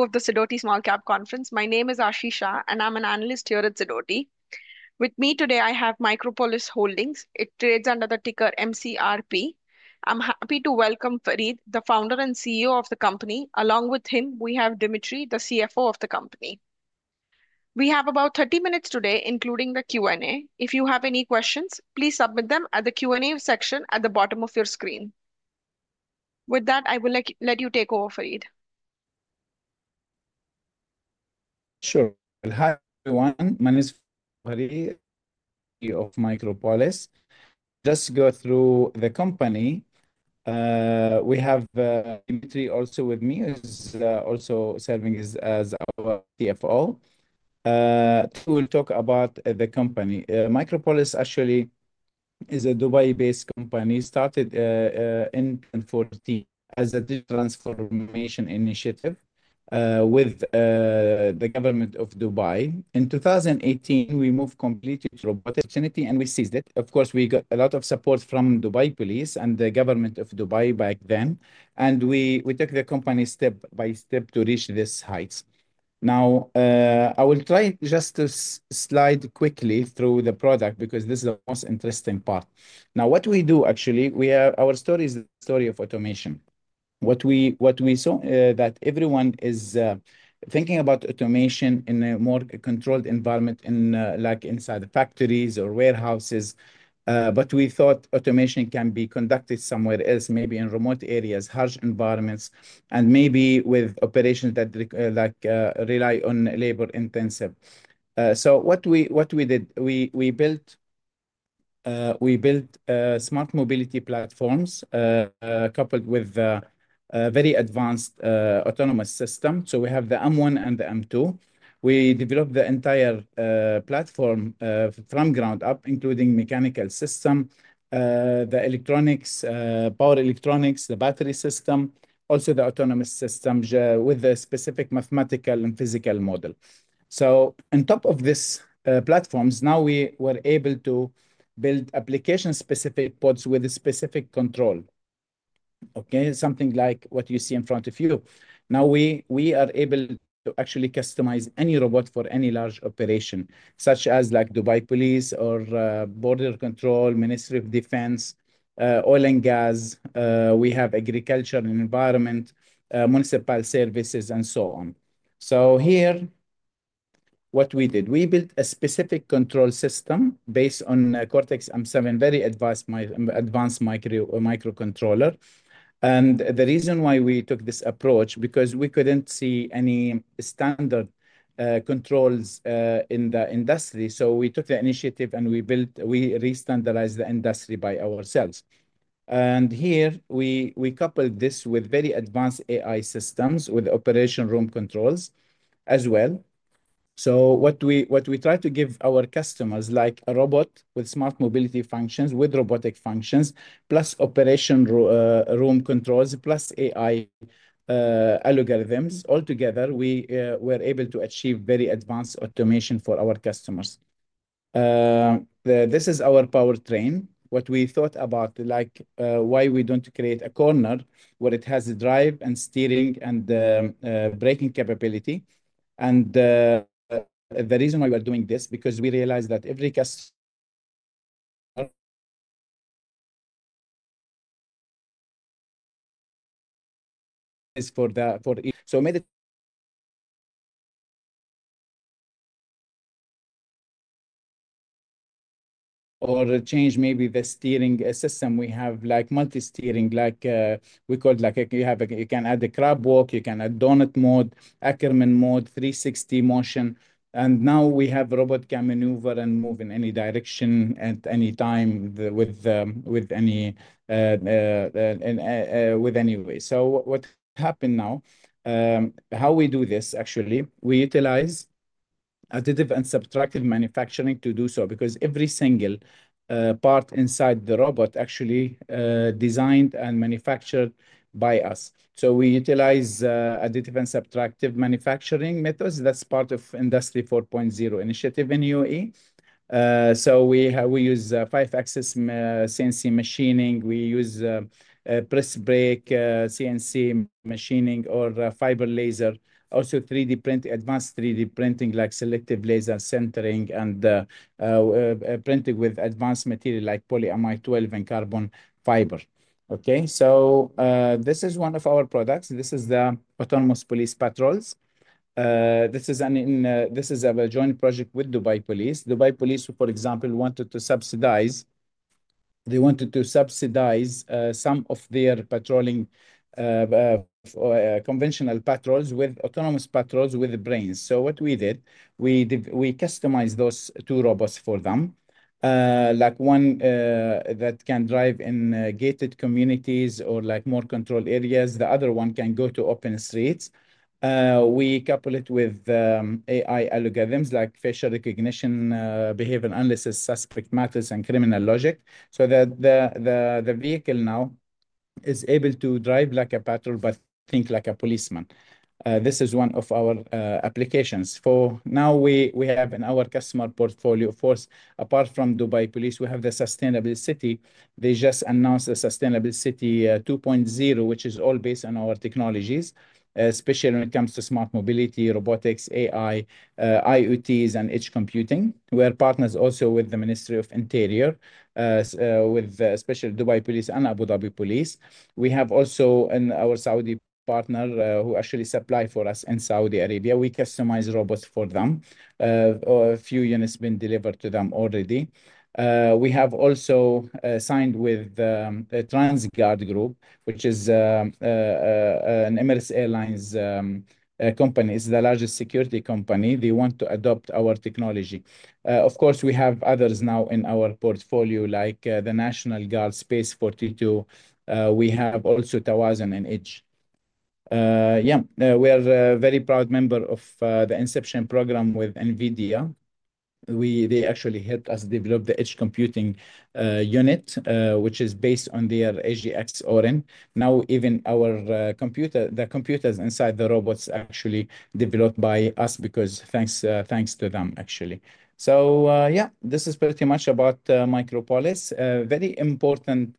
Of the Zadoti small cap conference. My name is Ashisha, and I'm an analyst here at Zadoti. With me today, I have Micropolis Holdings. It trades under the ticker MCRP. I'm happy to welcome Fareed, the founder and CEO of the company. Along with him, we have Dimitri, the CFO of the company. We have about 30 minutes today, including the Q&A. If you have any questions, please submit them at the Q&A section at the bottom of your screen. With that, I will let you take over, Fareed. Sure. Hi, everyone. My name is Fareed, CEO of Micropolis. Let's to go through the company, we have Dimitri also with me, who is also serving as our CFO. We'll talk about the company. Micropolis actually is a Dubai-based company started in 2014 as a digital transformation initiative with the government of Dubai. In 2018, we moved completely to robotics and we ceased it. Of course, we got a lot of support from Dubai Police and the government of Dubai back then, and we took the company step by step to reach these heights. Now, I will try just to slide quickly through the product because this is the most interesting part. Now, what we do, actually, our story is the story of automation. What we saw is that everyone is thinking about automation in a more controlled environment, like inside the factories or warehouses. We thought automation can be conducted somewhere else, maybe in remote areas, harsh environments, and maybe with operations that rely on labor-intensive. What we did, we built smart mobility platforms coupled with a very advanced autonomous system. We have the M1 and the M2. We developed the entire platform from ground up, including mechanical system, the electronics, power electronics, the battery system, also the autonomous system with the specific mathematical and physical model. On top of these platforms, now we were able to build application-specific pods with a specific control. Okay, something like what you see in front of you. Now we are able to actually customize any robot for any large operation, such as Dubai Police or Border Control, Ministry of Defense, oil and gas, we have agriculture and environment, municipal services, and so on. Here, what we did, we built a specific control system based on Cortex-M7, a very advanced microcontroller. The reason why we took this approach is because we could not see any standard controls in the industry. We took the initiative and we restandardized the industry by ourselves. Here, we coupled this with very advanced AI systems with operation room controls as well. What we try to give our customers is a robot with smart mobility functions, with robotic functions, plus operation room controls, plus AI algorithms. Altogether, we were able to achieve very advanced automation for our customers. This is our powertrain. What we thought about, like why we do not create a corner where it has a drive and steering and braking capability. The reason why we are doing this is because we realized that every customer is for. Or change maybe the steering system. We have multi-steering, like we call it, like you can add the crab walk, you can add donut mode, Ackerman mode, 360 motion. Now we have a robot that can maneuver and move in any direction at any time with any way. What happened now, how we do this actually, we utilize additive and subtractive manufacturing to do so because every single part inside the robot is actually designed and manufactured by us. We utilize additive and subtractive manufacturing methods. That is part of Industry 4.0 initiative in UAE. We use five-axis CNC machining. We use press-break CNC machining or fiber laser, also 3D print, advanced 3D printing like Selective Laser Sintering and printing with advanced material like polyamide 12 and carbon fiber. This is one of our products. This is the Autonomous Police Patrols. This is a joint project with Dubai Police. Dubai Police, for example, wanted to subsidize some of their patrolling conventional patrols with autonomous patrols with brains. What we did, we customized those two robots for them, like one that can drive in gated communities or more controlled areas. The other one can go to open streets. We couple it with AI algorithms like facial recognition, behavior analysis, suspect matters, and criminal logic so that the vehicle now is able to drive like a patrol but think like a policeman. This is one of our applications. For now, we have in our customer portfolio, of course, apart from Dubai Police, we have the Sustainable City. They just announced the Sustainable City 2.0, which is all based on our technologies, especially when it comes to smart mobility, robotics, AI, IoTs, and edge computing. We are partners also with the Ministry of Interior, with especially Dubai Police and Abu Dhabi Police. We have also our Saudi partner who actually supplies for us in Saudi Arabia. We customize robots for them. A few units have been delivered to them already. We have also signed with TransGuard Group, which is an Emirates Airlines company. It is the largest security company. They want to adopt our technology. Of course, we have others now in our portfolio like the National Guard, Space42. We have also Tawazun and EDGE. Yeah, we are a very proud member of the Inception program with NVIDIA. They actually helped us develop the edge computing unit, which is based on their AGX Orin. Now, even the computers inside the robots are actually developed by us because thanks to them, actually. Yeah, this is pretty much about Micropolis. A very important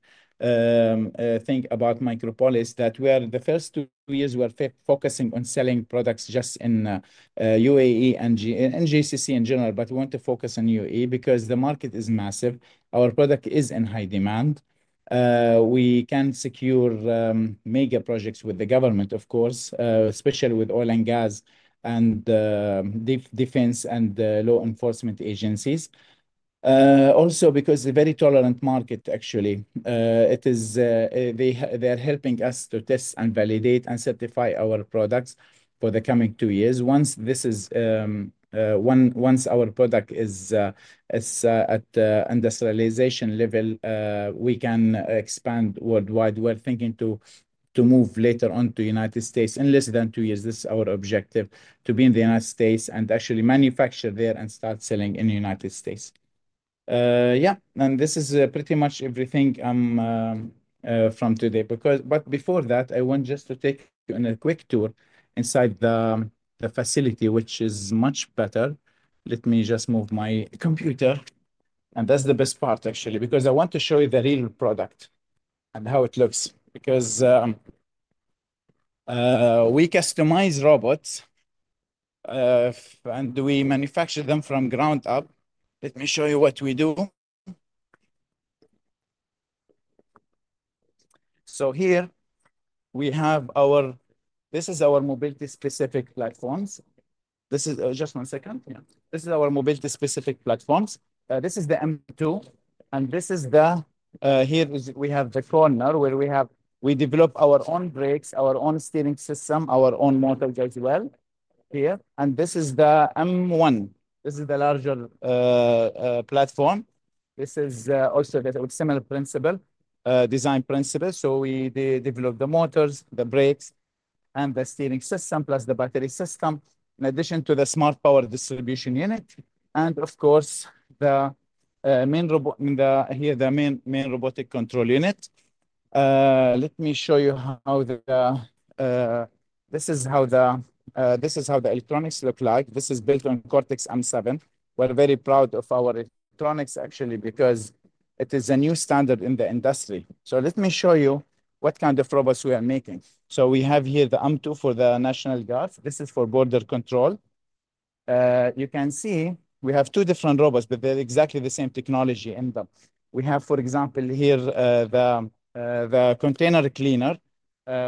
thing about Micropolis is that we are the first two years focusing on selling products just in UAE and GCC in general, but we want to focus on UAE because the market is massive. Our product is in high demand. We can secure mega projects with the government, of course, especially with oil and gas and defense and law enforcement agencies. Also, because it's a very tolerant market, actually, they are helping us to test and validate and certify our products for the coming two years. Once our product is at industrialization level, we can expand worldwide. We're thinking to move later on to the United States in less than two years. This is our objective, to be in the United States and actually manufacture there and start selling in the United States. Yeah, and this is pretty much everything from today. Before that, I want just to take you on a quick tour inside the facility, which is much better. Let me just move my computer. That's the best part, actually, because I want to show you the real product and how it looks because we customize robots and we manufacture them from ground up. Let me show you what we do. Here we have our—this is our mobility-specific platforms. Just one second. Yeah. This is our mobility-specific platforms. This is the M2. Here we have the corner where we develop our own brakes, our own steering system, our own motors as well here. This is the M1. This is the larger platform. This is also a similar design principle. We develop the motors, the brakes, and the steering system, plus the battery system, in addition to the smart power distribution unit. Of course, here is the main robotic control unit. Let me show you how the—this is how the electronics look like. This is built on Cortex M7. We're very proud of our electronics, actually, because it is a new standard in the industry. Let me show you what kind of robots we are making. We have here the M2 for the National Guard. This is for border control. You can see we have two different robots, but they're exactly the same technology in them. We have, for example, here the container cleaner.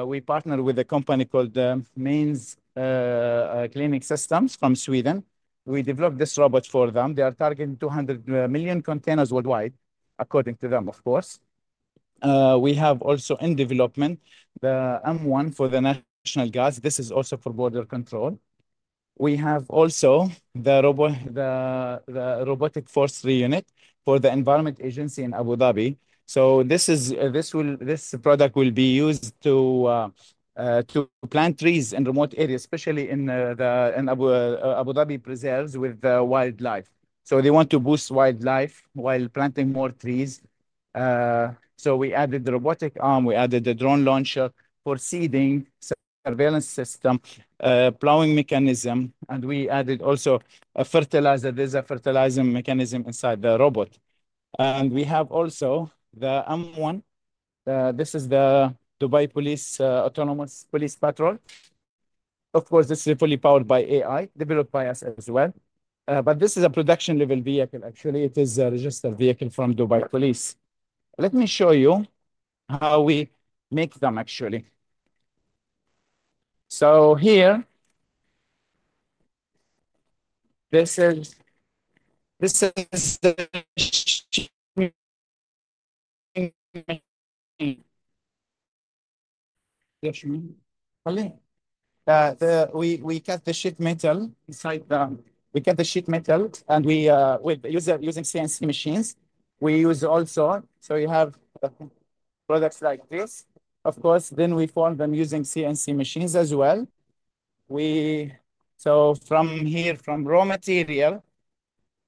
We partner with a company called Mainz Cleaning Systems from Sweden. We developed this robot for them. They are targeting 200 million containers worldwide, according to them, of course. We have also in development the M1 for the National Guard. This is also for border control. We have also the Robotic Forestry Unit for the Environment Agency in Abu Dhabi. This product will be used to plant trees in remote areas, especially in Abu Dhabi preserves with wildlife. They want to boost wildlife while planting more trees. We added the robotic arm. We added the drone launcher for seeding, surveillance system, plowing mechanism. We added also a fertilizer. There is a fertilizer mechanism inside the robot. We have also the M1. This is the Dubai Police Autonomous Police Patrol. Of course, this is fully powered by AI, developed by us as well. This is a production-level vehicle, actually. It is a registered vehicle from Dubai Police. Let me show you how we make them, actually. Here, this is the sheet metal. We cut the sheet metal and we use it using CNC machines. We use also—so you have products like this. Of course, then we form them using CNC machines as well. From here, from raw material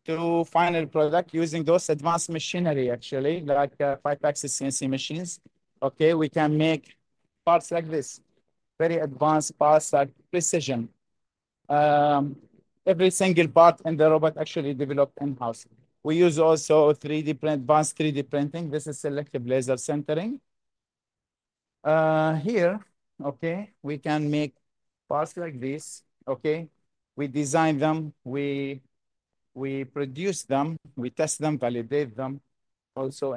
to final product using those advanced machinery, actually, like five-axis CNC machines. We can make parts like this, very advanced parts like precision. Every single part in the robot is actually developed in-house. We use also advanced 3D printing. This is Selective Laser Sintering. Here, we can make parts like this. We design them. We produce them. We test them, validate them also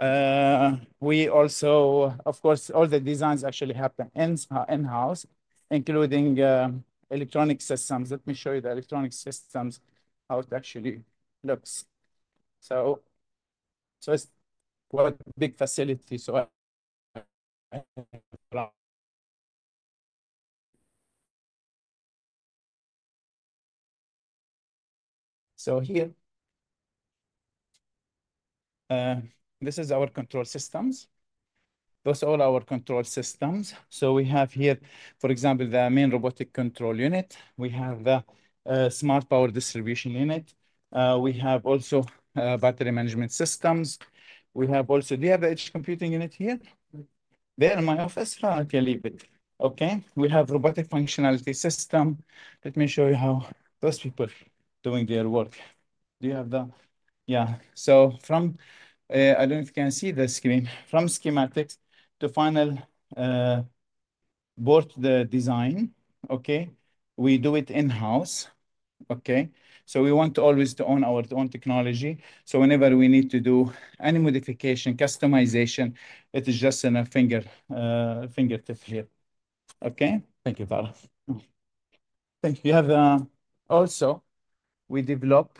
in-house. We also, of course, all the designs actually happen in-house, including electronic systems. Let me show you the electronic systems, how it actually looks. It is quite a big facility. Here, this is our control systems. Those are all our control systems. We have here, for example, the main robotic control unit. We have the smart power distribution unit. We have also battery management systems. We have also—do you have the edge computing unit here? They are in my office. I can leave it. Okay, we have robotic functionality system. Let me show you how those people are doing their work. Do you have the—yeah. I do not know if you can see the screen. From schematics to final board, the design, okay, we do it in-house. Okay, we want to always own our own technology. Whenever we need to do any modification, customization, it is just in a fingertip here. Okay, thank you, Fareed. Thank you. Also, we develop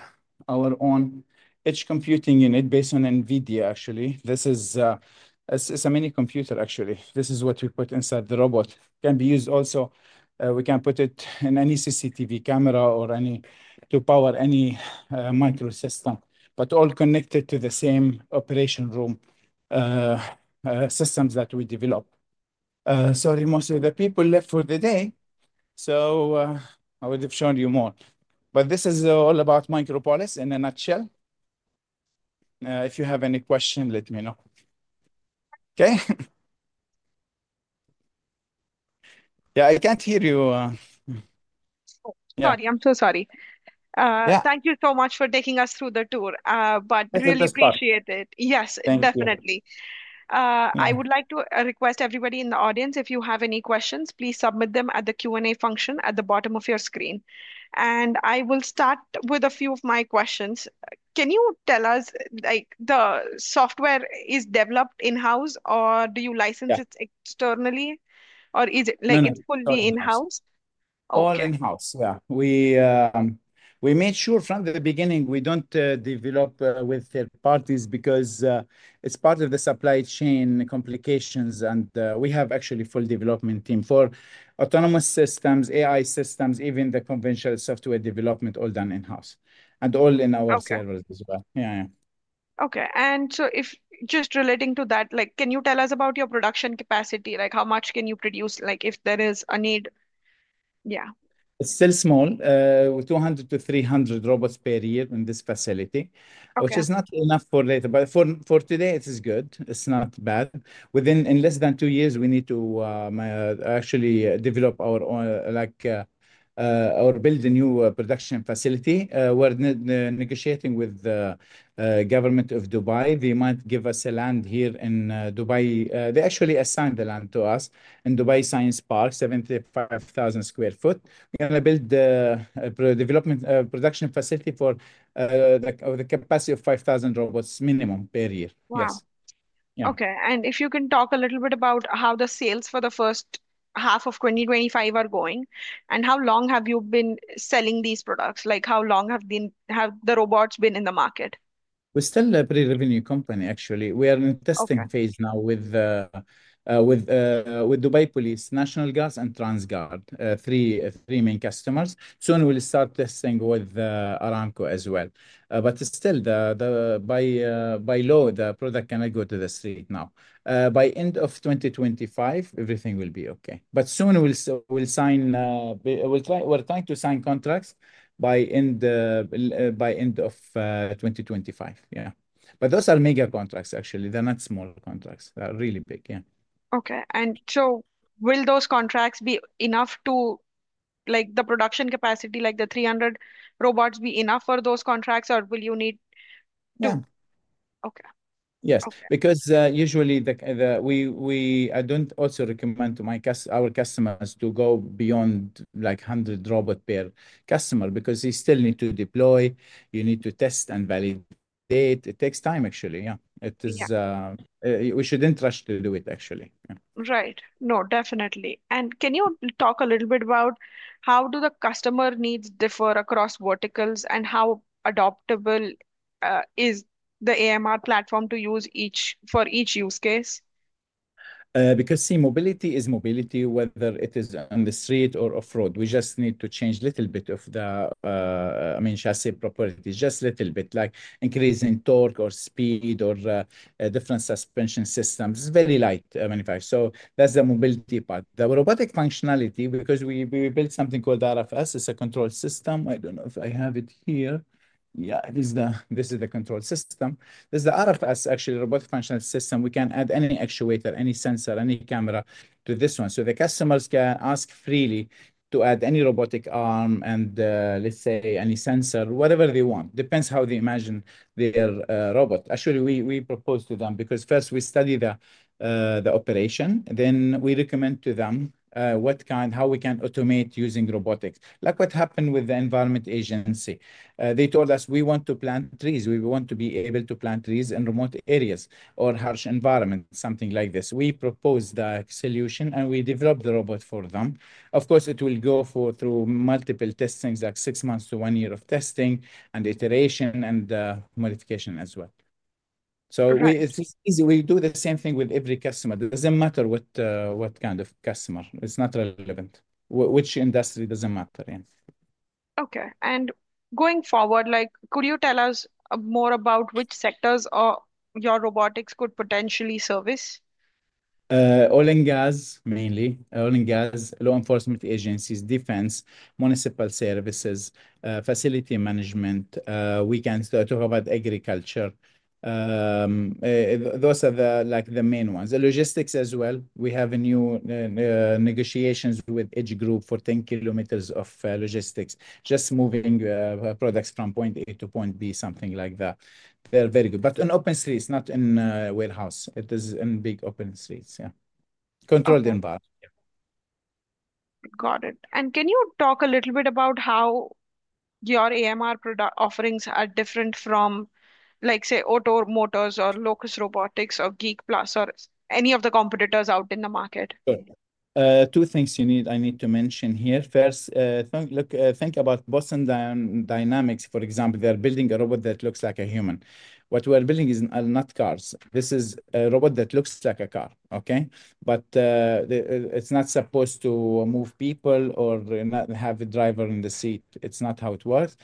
our own edge computing unit based on NVIDIA, actually. This is a mini computer, actually. This is what we put inside the robot. Can be used also. We can put it in any CCTV camera or any to power any microsystem, but all connected to the same operation room systems that we develop. Sorry, most of the people left for the day, so I would have shown you more. This is all about Micropolis in a nutshell. If you have any questions, let me know. Okay. Yeah, I can't hear you. Sorry, I'm so sorry. Thank you so much for taking us through the tour, really appreciate it. Yes, definitely. I would like to request everybody in the audience, if you have any questions, please submit them at the Q&A function at the bottom of your screen. I will start with a few of my questions. Can you tell us the software is developed in-house, or do you license it externally, or is it fully in-house? All in-house. Yeah, we made sure from the beginning we do not develop with third parties because it is part of the supply chain complications. We have actually a full development team for autonomous systems, AI systems, even the conventional software development, all done in-house and all in our servers as well. Yeah, yeah. Okay. Just relating to that, can you tell us about your production capacity? How much can you produce if there is a need? Yeah. It is still small. 200-300 robots per year in this facility, which is not enough for later. For today, it is good. It is not bad. In less than two years, we need to actually develop or build a new production facility. We are negotiating with the Government of Dubai. They might give us land here in Dubai. They actually assigned the land to us in Dubai Science Park, 75,000 sq ft. We're going to build a production facility for the capacity of 5,000 robots, minimum, per year. Yes. Okay. And if you can talk a little bit about how the sales for the first half of 2025 are going, and how long have you been selling these products? How long have the robots been in the market? We're still a pre-revenue company, actually. We are in the testing phase now with Dubai Police, National Guard, and TransGuard, three main customers. Soon we'll start testing with Aramco as well. By law, the product cannot go to the street now. By end of 2025, everything will be okay. Soon we'll sign. We're trying to sign contracts by end of 2025. Yeah. Those are mega contracts, actually. They're not small contracts. They're really big. Yeah. Okay. Will those contracts be enough to the production capacity, like the 300 robots, be enough for those contracts, or will you need to? No. Okay. `Yes, because usually I do not also recommend to our customers to go beyond 100 robots per customer because you still need to deploy. You need to test and validate. It takes time, actually. Yeah. We should not rush to do it, actually. Right. No, definitely. Can you talk a little bit about how do the customer needs differ across verticals and how adoptable is the AMR platform to use for each use case? Because see, mobility is mobility, whether it is on the street or off-road. We just need to change a little bit of the, I mean, chassis property, just a little bit, like increasing torque or speed or different suspension systems. It is very light manufacturing. That is the mobility part. The robotic functionality, because we built something called RFS. It's a control system. I don't know if I have it here. Yeah, this is the control system. There's the RFS, actually, robotic functional system. We can add any actuator, any sensor, any camera to this one. So the customers can ask freely to add any robotic arm and, let's say, any sensor, whatever they want. Depends how they imagine their robot. Actually, we propose to them because first we study the operation, then we recommend to them how we can automate using robotics. Like what happened with the Environment Agency. They told us, "We want to plant trees. We want to be able to plant trees in remote areas or harsh environments," something like this. We propose the solution and we develop the robot for them. Of course, it will go through multiple testings, like 6 months to 1 year of testing and iteration and modification as well. So it's easy. We do the same thing with every customer. It doesn't matter what kind of customer. It's not relevant. Which industry doesn't matter. Yeah. Okay. And going forward, could you tell us more about which sectors your robotics could potentially service? Oil and gas, mainly. Oil and gas, law enforcement agencies, defense, municipal services, facility management. We can talk about agriculture. Those are the main ones. Logistics as well. We have new negotiations with each group for 10 km of logistics, just moving products from point A to point B, something like that. They're very good. But on open streets, not in warehouse. It is in big open streets. Yeah. Controlled environment. Got it. Can you talk a little bit about how your AMR offerings are different from, say, Automotors or Locus Robotics or Geek Plus or any of the competitors out in the market? Two things I need to mention here. First, think about Boston Dynamics, for example. They're building a robot that looks like a human. What we're building is not cars. This is a robot that looks like a car, okay? But it's not supposed to move people or have a driver in the seat. It's not how it works.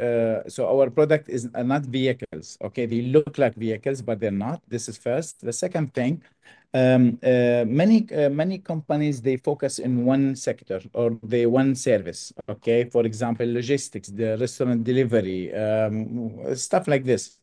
Our product is not vehicles, okay? They look like vehicles, but they're not. This is first. The second thing, many companies, they focus in one sector or one service, okay? For example, logistics, the restaurant delivery, stuff like this.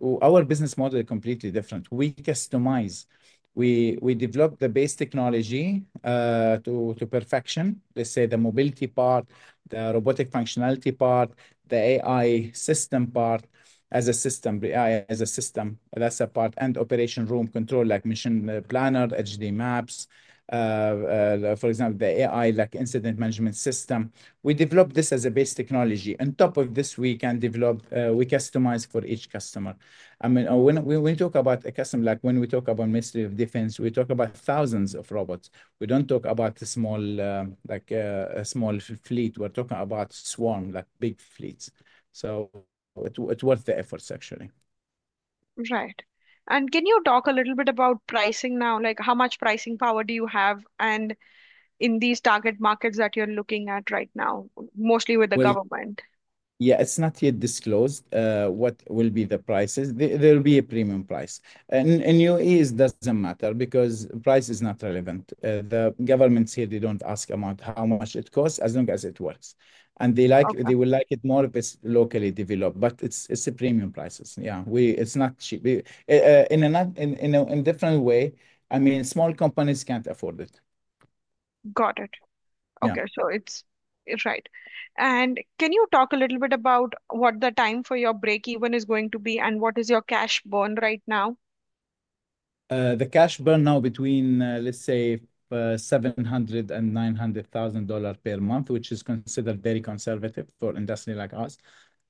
Our business model is completely different. We customize. We develop the base technology to perfection. Let's say the mobility part, the robotic functionality part, the AI system part as a system, AI as a system. That's a part. And operation room control like mission planner, HD maps. For example, the AI incident management system. We develop this as a base technology. On top of this, we can develop, we customize for each customer. I mean, when we talk about a customer, like when we talk about Ministry of Defense, we talk about thousands of robots. We don't talk about a small fleet. We're talking about swarms, like big fleets. It's worth the efforts, actually. Right. Can you talk a little bit about pricing now? How much pricing power do you have in these target markets that you're looking at right now, mostly with the government? Yeah, it's not yet disclosed what will be the prices. There will be a premium price. In UAE, it doesn't matter because price is not relevant. The government here, they don't ask about how much it costs as long as it works. They will like it more if it's locally developed, but it's a premium price. Yeah, it's not cheap. In a different way, I mean, small companies can't afford it. Got it. Okay. So it's right. Can you talk a little bit about what the time for your break even is going to be and what is your cash burn right now? The cash burn now between, let's say, $700,000-$900,000 per month, which is considered very conservative for industry like us.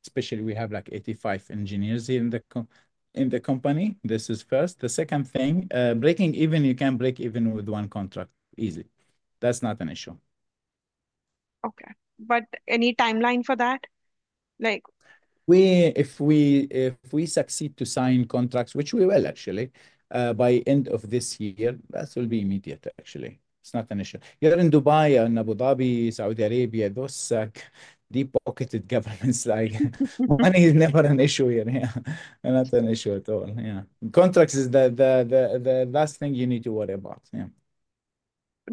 Especially we have like 85 engineers in the company, this is first. The second thing, breaking even, you can break even with one contract easily. That's not an issue. Okay. But any timeline for that? If we succeed to sign contracts, which we will actually, by end of this year, that will be immediate, actually. It's not an issue. You're in Dubai, Abu Dhabi, Saudi Arabia, those deep-pocketed governments, money is never an issue here. Yeah. Not an issue at all. Yeah. Contracts is the last thing you need to worry about. Yeah.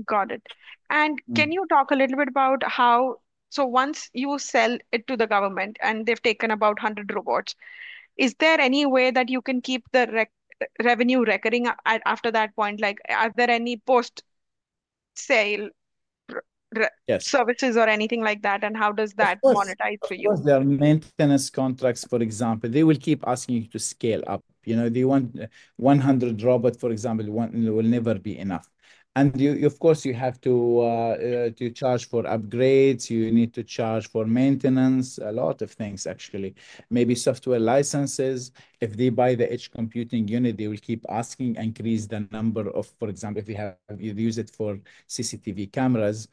Got it. Can you talk a little bit about how, so once you sell it to the government and they've taken about 100 robots, is there any way that you can keep the revenue recurring after that point? Are there any post-sale services or anything like that? How does that monetize for you? Of course, there are maintenance contracts, for example. They will keep asking you to scale up. They want 100 robots, for example, will never be enough. Of course, you have to charge for upgrades. You need to charge for maintenance, a lot of things, actually. Maybe software licenses. If they buy the edge computing unit, they will keep asking and increase the number of, for example, if you use it for CCTV cameras,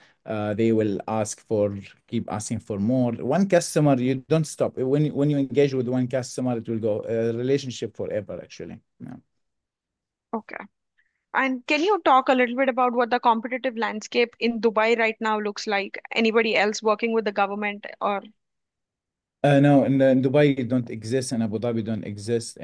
they will ask for, keep asking for more. One customer, you do not stop. When you engage with one customer, it will go a relationship forever, actually. Yeah. Okay. Can you talk a little bit about what the competitive landscape in Dubai right now looks like? Anybody else working with the government or? No. In Dubai, it does not exist. In Abu Dhabi, it does not exist.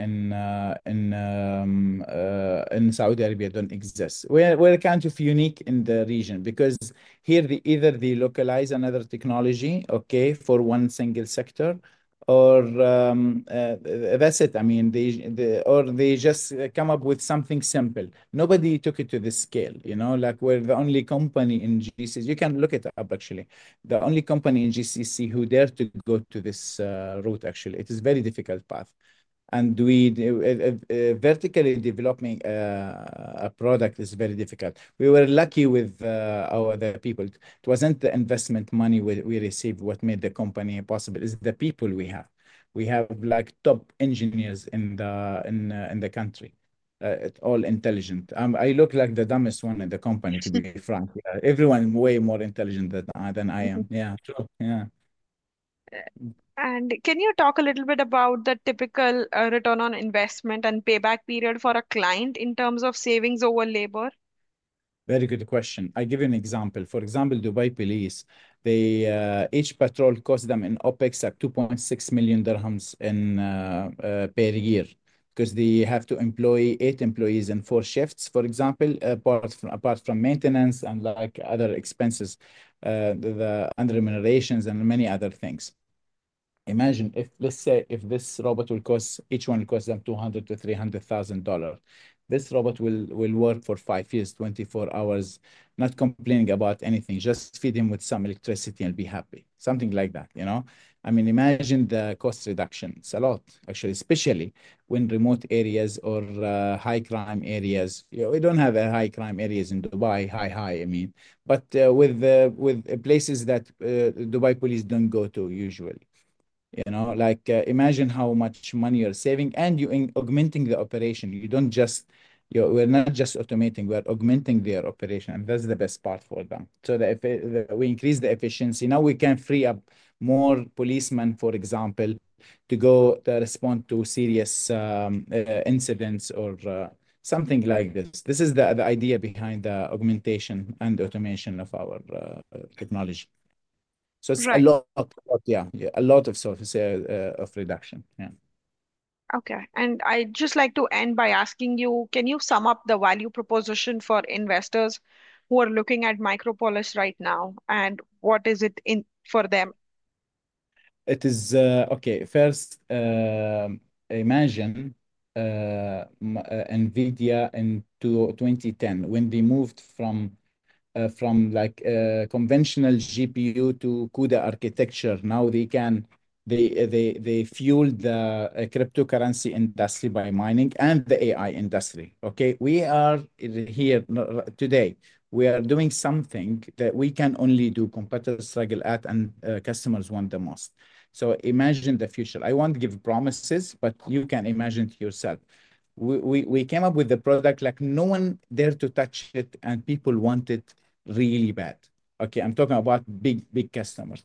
In Saudi Arabia, it does not exist. We are kind of unique in the region because here either they localize another technology, okay, for one single sector, or that is it. I mean, or they just come up with something simple. Nobody took it to this scale. We're the only company in GCC. You can look it up, actually. The only company in GCC who dared to go to this route, actually. It is a very difficult path. Vertically developing a product is very difficult. We were lucky with our people. It wasn't the investment money we received what made the company possible. It's the people we have. We have top engineers in the country. It's all intelligent. I look like the dumbest one in the company, to be frank. Everyone is way more intelligent than I am. Yeah. True. Yeah. Can you talk a little bit about the typical return on investment and payback period for a client in terms of savings over labor? Very good question. I'll give you an example. For example, Dubai Police, each patrol costs them in OpEx at AED 2.6 million per year because they have to employ eight employees in four shifts, for example, apart from maintenance and other expenses, the underminerations and many other things. Imagine if, let's say, if this robot will cost, each one will cost them $200,000-$300,000. This robot will work for five years, 24 hours, not complaining about anything. Just feed him with some electricity and be happy. Something like that. I mean, imagine the cost reduction. It's a lot, actually, especially when remote areas or high-crime areas. We don't have high-crime areas in Dubai, high, high, I mean. With places that Dubai Police don't go to usually. Imagine how much money you're saving and you're augmenting the operation. We're not just automating. We're augmenting their operation. That's the best part for them. We increase the efficiency. Now we can free up more policemen, for example, to go to respond to serious incidents or something like this. This is the idea behind the augmentation and automation of our technology. It is a lot, yeah, a lot of reduction. Yeah. Okay. I would just like to end by asking you, can you sum up the value proposition for investors who are looking at Micropolis right now, and what is it for them? Okay. First, imagine NVIDIA in 2010 when they moved from conventional GPU to CUDA architecture. Now they fuel the cryptocurrency industry by mining and the AI industry. Okay? We are here today. We are doing something that we can only do, competitors struggle at, and customers want the most. Imagine the future. I will not give promises, but you can imagine it yourself. We came up with the product like no one dared to touch it, and people want it really bad. Okay? I'm talking about big customers.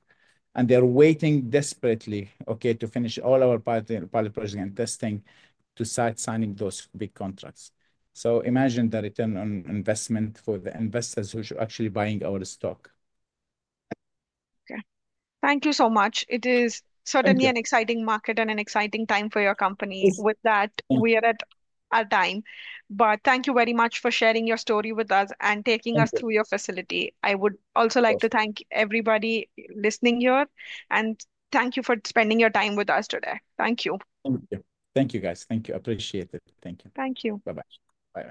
They're waiting desperately, okay, to finish all our pilot projects and testing to start signing those big contracts. Imagine the return on investment for the investors who are actually buying our stock. Okay. Thank you so much. It is certainly an exciting market and an exciting time for your company. With that, we are at our time. Thank you very much for sharing your story with us and taking us through your facility. I would also like to thank everybody listening here. Thank you for spending your time with us today. Thank you. Thank you. Thank you, guys. Thank you. Appreciate it. Thank you. Thank you. Bye-bye.